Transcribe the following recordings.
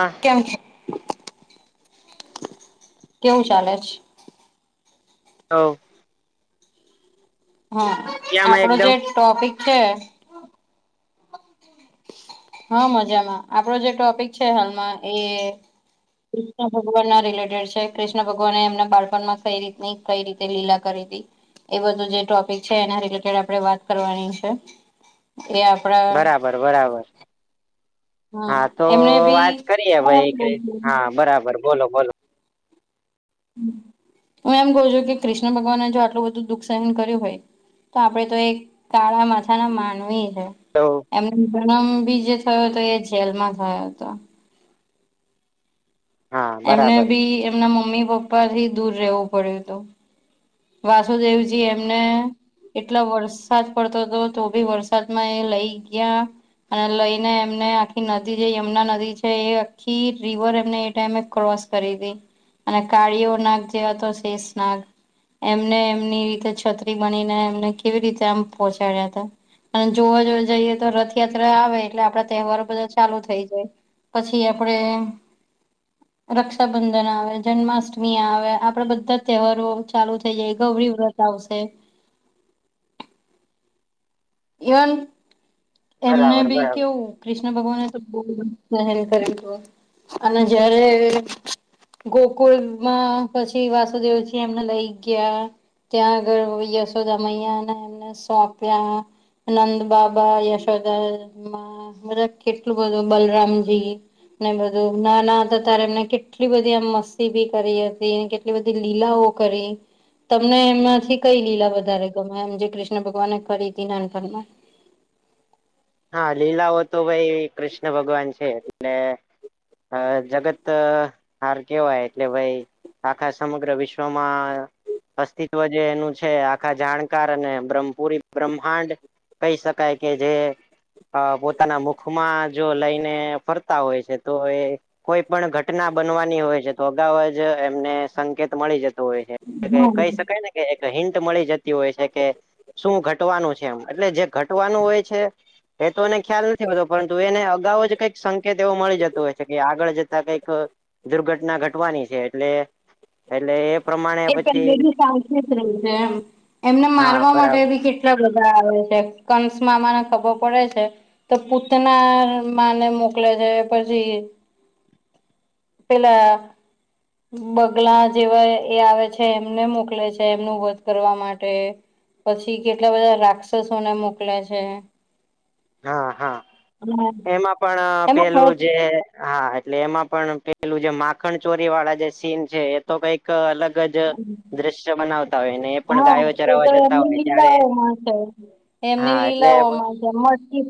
હા. કેમ છે, કેવું ચાલે છે? હઓ. હા મજામાં આપણો જે એકદમ ટોપિક છે. હા મજામાં આપડો જે ટોપિક છે હાલમાં એ કૃષ્ણ ભગવાન ના રિલેટેડ છે કૃષ્ણ ભગવાન એમના બાળપણમાં કઈ રીતની કઈ રીતે લીલા કરી તી એ બધું જે ટોપિક છે એ રિલેટેડ આપે વાત કરવાની છે. એ આ બરાબર બરાબર. હા તો એમને બી વાત કરીએ ભાઈ હા બરાબર બોલો બોલો. હું એમ કઉ છું કે કૃષ્ણ ભગવાન જો આટલું બધું દુઃખ સહન કર્યું હોય. તો આપડે તો એ કાળા માથા ના માનવી હે. તો. એમનો જન્મ બી જે થયો હતો એ જેલમાં થયો હતો. હા એમને બરાબર ભી એમના મમ્મી પપ્પા થી દૂર રહેવું પડ્યું તું. વાસુદેવજી એમને. એટલા વરસાદ પડતો તો તોભી વરસાદમાં એ લઈ ગયા. અને લઈને એમને આખી નદી જે યમુના નદી છે એ આખી રિવર એમને એ ટાઈમે ક્રોસ. કરીદી અને કાળીઓ નાગ જે હતો શેષ નાગ. એમને એમની રીતે છત્રી બનીને એમને કેવી રીતે આમ પહોંચાડ્યા તા. અને જોવા જોવા જઈએ તો રથયાત્રા આવે એટલે આપડા તહેવારો બધા ચાલુ થઇ જાય. પછી આપડે. રક્ષાબંધન આવે જન્માષ્ટમી આવે આપડે બધા તહેવારો ચાલુ થ ઈ જાય ગૌરી વ્રત આવશે. એ વન એમને બરાબર બી બરાબર કેવું કૃષ્ણ ભગવાને તો બહુ સહેન કરેલ હ અને જયારે ગોકુળ માં પછી વાસુદેવ છે એમને લઈ ગ્યા. ત્યાં આગળ યશોદમૈયાને એમને સોંપ્યા નંદ બાબા યશ દા માં બધા કેટલું બધું બલરામજી. ને બધું ના ના હતા ત્યારે એમને કેટલી બધી આ મસ્તી બી કરી હતી. એ બધી લીલાઓ કરી. તમને એમાંથી કઈ લીલા વધારે ગમે એમ જે કૃષ્ણ ભગવાન કરી નાનપણમા. હા લીલાઓ તો ભાઈ કૃષ્ણ ભગવાન છે એટલે. હ જગત હાર કેવાય એટલે ભાઈ. આખા સમગ્ર વિશ્વમાં. અસ્તિત્વ જે એનું છે આખા જાણકાર અને બ્રહ્મપુરી બ્રહ્માંડ કહી શકાય કે જે અ પોતાના મુખમાં જો લઈને ફરતા હોય છે તો એ કોઈ પણ ઘટના બનવાની હોય છે તો અગાઉ જ એમને સંકેત મળી જતો હોય છે એ કહી હા શકાય ને એક હિન્ટ મળી જતી હોય છે કે શું ઘટવાનું છે એમ એટલે જે ઘટવાનું હોય છે એ તો એને ખ્યાલ નથી હોતો પરંતુ એને અગાઉ જ કંઈક સંકેત એવો મળી જતો હોય છે કે આગળ જતા કંઈક દુર્ઘટના ઘટવાની છે એટલે એટલે એ પ્રમાણે એ પછી પહેલે બી સાવ જ રહી છે એમ એમને હા મારવા બરાબર માટે બી કે એટલા બધા આવે છે કંસમાં અમાને ખબર પડે છે તો પુતના માને મોકલ્યા જાય પછી પેલા બગલા જેવા એ આવે છે એમને મોકલે છે એમનું વધ કરવા માટે પછી કેટલા બધા રાક્ષસોને મોકલ્યા છે હા હા હમ એમાં પણ એમાં પેલું જે હા એટલે એમાં પણ પેલું જે માખણ ચોરી વાળા જે સીન છે તો કઈક અલગ જ દ્રશ્ય બનાવતા હોય ને પણ હા ગાયો એ ચરાવવા તો જતા એમની હોય ત્યારે લીલાઓ માં છે એમની હા એટલે લીલાઓમાં છે મ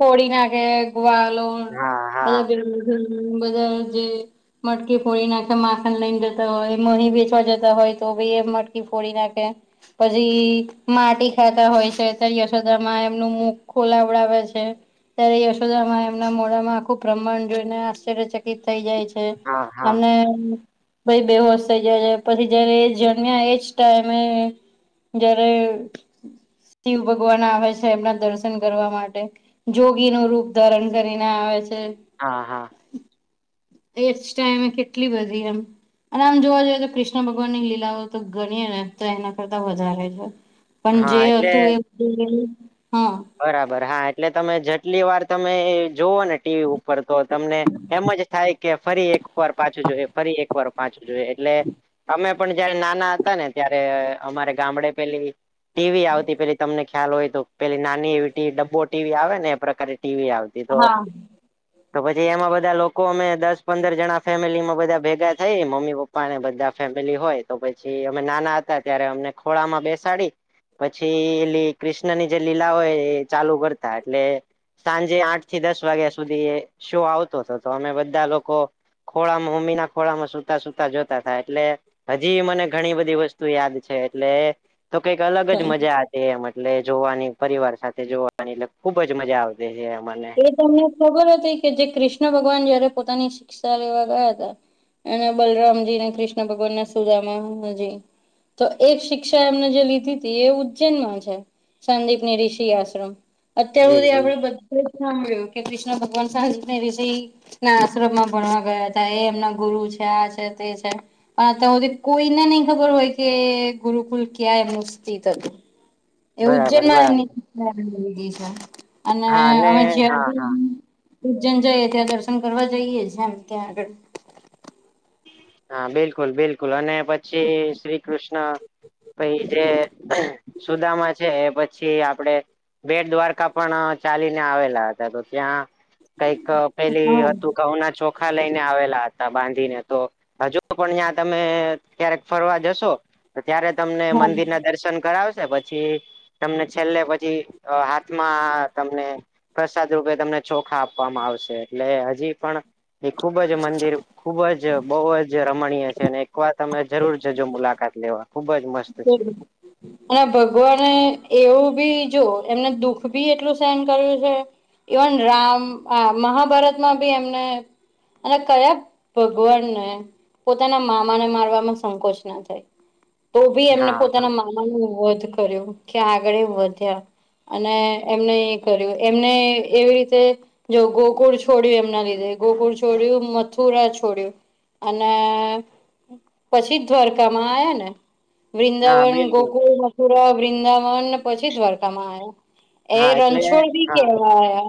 ફડી નાખે ગ્વાલો હા હા બધા બધા જે મટકી ફોડી નાખે માખન લઈને જતા હોય મહીં વચવા જતા હોય તો બી એ મટકી ફોડી નાખે પછી માટી ખાતા હોય છે્યારે યશોધા માં એમનું મુખ ખોલાવડાવે છે ત્યારે યશોદા માં એમના મોડામાં ખુબ પ્ર્ણ જોઈને આશ્ચર્ય થઈ જાય છે હા હા અને ભાઈ બેહોશ થઇ જાય છે પછી જયારે એ જમ્યા એજ ટાઈમે જયારે શિવ ભગવાન આવે છે એમના દર્શન કરવા માટે જોગી નું રૂપ ધારણ કરીને આવે છે હા હા એજ ટાઈમે કેટલી બધી એમ અને આમ જોવા જઈએ તો કૃષ્ણ ભગવાન ની લીલાઓ તો ગણી ને તો એના કરતા વધારે છે પણ હા જે એટલે તું હા બરાબર હા એટલે તમે જેટલી વાર તમે જોુવ ને ટીવી ઉપર તો તમને એમ જ થાય કે ફરી એક વાર પાછું જોઈ ફરી એકવાર પાચું જો એટલે અમે પણ જયારે નાના હતા ને ત્યારે અમારે ગામડે પેલી ટીવી આવતી પેલી તમને ખ્યાલ હોય તો પે ના એ ટ ડબ્બો ટીવી આવે ને એ પ્રારે ટીવી આવતી તો હમ તો પછી એમાં બધા લોકો અમે દસ પંદર જણા ફેમિલી માં બધા ભેગા થઈ મમ્મી પપ્પ પ્પાને બધા ફેમિલી હોય તો પછી અમે નાના હતા ત્યારે અમને ખોળામાં બેસાડી પછી એ કૃષ્ણની જે લીલા હોય એ ચાલુ કરતા એટલે સાંજે આઠ થી દસ વાગ્યા સુધી એ શો આવતો હતો તો અમે બધા લોકો ખોળામાં મમ્મી ના ખોળામાં સુતા સુૂતા જોતા થાય એટલે હજી મને ઘણી બધી વસ્તુ યાદ છે એટલે તો કઈક અલગ જ મજા છે એમ એટલે જોવાની પરિવાર સાથે જોવાની એટલે ખુબ જ મજા આવતી છે અમાને એ તમને ખબર હતી કે જે કૃષ્ણ ભગવાન જયારે પોતાની શિક્ષા લેવા ગયા હતા અને બલરામજી અને કૃષ્ણ ભગવાન ના સુજાજી તો એક શિક્ષા એમને જે લીધી હતી એ ઉજ્જૈનમાં છે સંદીપની ઋષિ આશ્રમ અત્યાર જી સુધી જી આપડે પ્રે્ મળ્યો કે કૃષ્ણ ભગવાન સા વિષય ના આશ્રમ માં ભણવા ગયા હતા એ એમના ગુરુ છે આ છે તે છે અ તો ઓ કોઈને નહી ખબર હોય કે ગુરુકુલ ક્યા એમનું સ્થિત એ ઉજ્જૈન બરાબર માં બરાબર એમનીધ છે. અને હા અને અમે જ હા આગળ હા ઉજ્જૈન જઈએ ત્યાં દર્શન કરવા જઈએ છેમ ત્યાં આગળ‌. હા બિલકુલ બિલકુલ અને પછી શ્રી કૃષ્ણ. પછ જે સુદામાં છે એ પછી આપડે. બેટ દ્વારકા પણ ચાલીને આવેલા હતા તો ત્યાં. કઈક પેલી હા હતું ઘઉના ચોખા લઈને આવેલા હતા બાંધીને. તો હજુ પણ ત્યાં તમે ક્યારેક ફરવા જશો. તો ત્યારે તમને હા મંદિરના દર્શન કરાવશે પછી. પછી તમને છેલ્લે પછી હાથમાં તમને. પ્રસાદ રૂપે તમને ચોખા આપવામાં આવશે એટલે હજી પણ. એ ખુબ જ મંદિર ખુબ જ. બહુ જ રમણીય છે અને એકવાર તમે જરૂર જજો મુલાકાત લેવા. ખુબ જ મસ્ત બ. છે અને ભગવાને એવું બી જો એમને દુખ ભી એટલું સહન કર્યું છે. ઇવન રામ મહાભારતમાં બી એમને. અને કયા ભગવાનને પોતાના મામાને મારવાવામાં સંકોચ ના થાય. તો ભી એમને હા પોતાના મામા ન વધ કર્યું કે આગળ વધ્યા. અને એમને એ કર્યું એમને એવી રીતે. જો ગોકુળ છોડ્યું એમના લીધે ગોકુળ છોડ્યું મથુરા છોડ્યું. અને પછી જ દ્વારકામાં આવ્યા ને. હા વૃંદાવન, બિલકુલ ગોકુલ, મથુરા, વૃંદાવન પછી દ્વારકામાં આવ્યા. હા એ એટલે રણછોડ બી હા કેવાય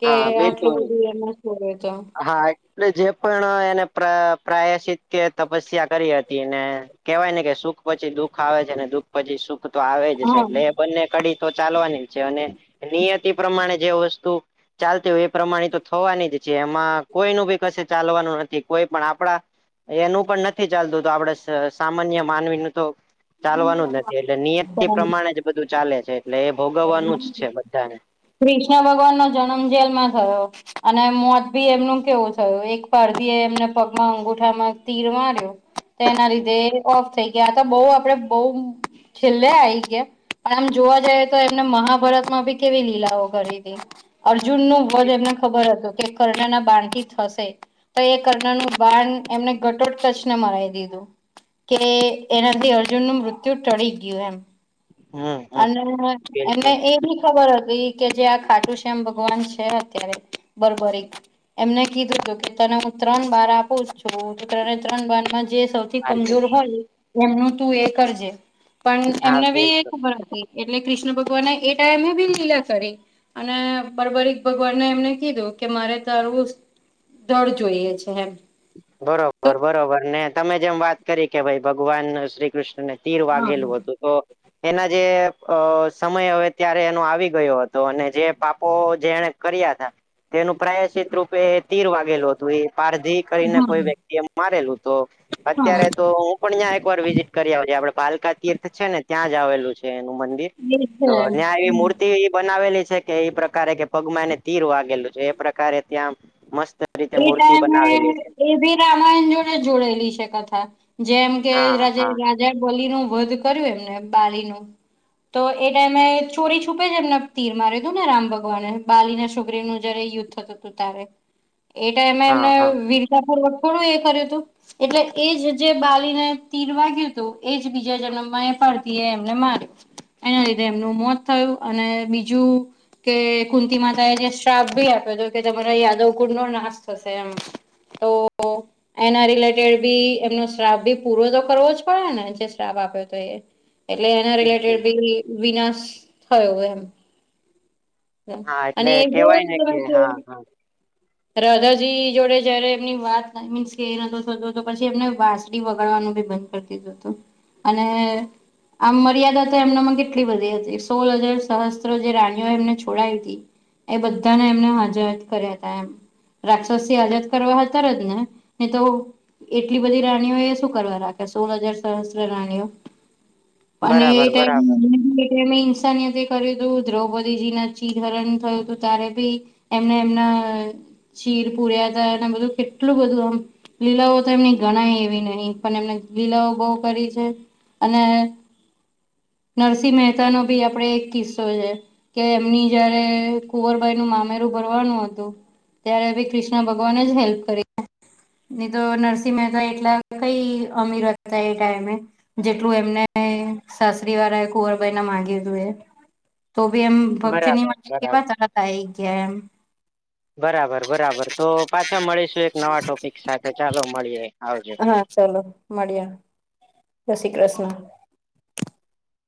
કે હા આટલું બિલકુલ બધું એમ થય તો હા એટલે જે પણ એને પ્રાય પ્રાયશિત કે તપસ્યા કરી હતી ને. કેવાય ને કે સુખ પછી દુઃખ આવે છે ને દુઃખ પછી સુખ તો આવે જ છે હા એટલે બંને કડી તો ચાલવાની છે અને નિયતિ પ્રમાણે જે વસ્તુ. ચાલતી હોય એ પ્રમાણે તો થવાની જ. એમાં કોઈ ન બી કશે ચાલવાનું નથી કોઈ પણ આપડા. એનું પણ નથી ચાલતું તો આપડે સામાન્ય માનવીનું તો. ચાલવાનું જ નથી એટલે નિયત થી પ્રમાણે જ બધું ચાલે છે એટલે એ. ભોગવવાનું જ છે બધાને કૃષ્ણ ભગવાન નો જન્મ જેલમાં થયો. અને મોત ભી એમનું કેવું થયું એક પારસી એ એમને પગમાં અંગુઠામાં તીર માર્યું. તે એના લીધે ઓફ થઈ ગયા તો બહુ આપડે બઉ છેલ્લે આ આવી ગયા પણ આમ જોવા જાય. એમને મહાભારત માં બી કેવી લીલાઓ કરી હતી અર્જુન નું વધ એમને ખબર હતું. કે કર્ણાના બાણથી થશે. તો એ કર્ણરનું બાણ એમને ઘટોટ ટચને મરાવી દીધું. કે એનાથી અર્જુન નું મૃત્યુ ટળી ગયું એમ. હમ હમ અને એને બિલકુલ એ બી. ખબર હતી કે જે આ ખાટુ શ્યામ ભગવાન છે અત્યારે બરબરીક. એમને કીધું હત કે તને હું ત્રણ બાર આપું છું ત ત્રણ બારમાં જે સૌથી જર કમજોર હા હોય એમનું તું એ કરજે પણ એમને બિલકુલ બી. ખબર એટલે કૃષ્ણ ભગવાનને એ ટાઈમે બી લીલા કરી. અને બરબરિક ભગવાનને એમને કીધું કે મારે તારું. દડ જોઈએ છે એમ તો બરોબર બરોબર ને તમે જેમ વાત કરી કે ભાઈ ભગવાન શ્રી કૃષ્ણ ને હા તીરવાગેલ બ હતું તો એના જે સમય હવે ત્યારે એનો આવી ગયો હતો અને જે પાપો જેને. કર્યા હતા તેનું પ્રાયશિત રૂપે એ તીર વાગેલું હતું એ પાર્ધિક. કરીને હા કોઈ વ્યક્તિ એ મારેલું તો હા અત્યારે તો હું. પણ ત્યાં એક વાર વિઝિટ કર્યા આપડ પાલકા તીર્થ છે ને ત્યાં જ આવેલું છે. એનું મંદિર એ છે તો ત્યાં એવી મૂર્તિ એ બનાવેલી છે. કે એ પ્રકારે કે પગમા ને તીર વાગેલું છે એ પ્રકારે ત્યાં મસ્ત. રીતે એ મૂર્તિ તમે. બનાવેલી છે એ ભી રામાયણ જોડે જોડેલી છે કથા જેમ કે. હા હા જ બોલીનું વધ કર્યું એમને બાળનું. તો એ ટાઈમે ચોરી છૂપે જ એમને તીર મારી દું ને રામ ભગવાને બાલી ના છોગરીનું. જ યુદ્ધ થતું હતું ત એ ટાઈમે એમ હા હા વીરતા પૂર્વક થોડું એ કર્યું હતું. એટલે એજ જે બાલીને તીરવા ગયું હતું એજ બીજા જેમને મ પડતી એ એમને માર્યું. એના લીધે એમનું મોત થયું અને બીજું. કે કુંંત માતા એ જે શ્રાપ ભી આપ્યો હતો કે તમારા યાદવ કુંડો ના. ના થશે એમ તો. એના રિલેટેડ બી એમનો સ્ટાફ બી પૂરો તો કરવો જ પડે ને જે સ્ટાફ આપ્યો હતો એ. એટલે એના રિલેટેડ બિલકુલ બી વિનાશ થયોયો એમ. હા એટલે અને જોર કેવાય ને કે છે. હા હા રાધાજી જોડે જયારે એમની વાત મીન્સ કે નતો થતો તો પછી એમને વા. ડી વગાડવાનું બી બંધ કરી દીધું હતું અને. આમ મર્યાદા તો એમનામાં કેટલી બધી હતી સોલ હજાર સહસ્ત્રો જે રાણીઓ એમને છોડાયી હતી. એ બધાને એમને હાજર કર્યા હતા એમ. રાક્ષસ આઝાદ કરવા હતા ર જ ને નહી તો. એટલી બધી રાણીઓ એ શું કરવા રાખે સોળ હજાર સહસ્ત્ર રાણીઓ. અને એ બરાબર ટાઈમ બરાબર ટાઈમિંગ. કર્યું તું દ્રૌપદીજી ના ચિહરણ થયું હતું તારે ભી. એમને એમના શીર પુર્યા ત એ બધું કેટલું બધું આમ. લીલાઓ તો એમની ગણાય એવી નહીિ પણ એમને લીલાઓ બહુ કરી છે અને. નરસિંહ મહેતા નો ભી આપડે એક કિસ્સો છે. કે એમની જયારે કુંવરભાઈ નું મામેરું ભરવાનું હતું. ત્યારેી કૃષ્ણ ભગવાન જ હેલ્પ કરી. ન તો નરસિંહ મહેતા એટલા કઈ અમીર હતા એ ટાઈમે. જેટલું એમને સાસરી વાળાએ કુંવરભાઈ ના મામાંગ્યું હતું એ. તો ભી એમ ભક્તની બરાબર માટે કેવા બરાબર ચતા આવી ગયા એમ. બરાબર બરાબર તો પાછા મળીશું એક નવા ટોપિક સાથે ચાલો મળીએ આવજો હા ચાલો મળ્યા શશ્રી કૃષ્ણ.